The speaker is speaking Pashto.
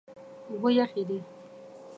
اوبه یخې دي.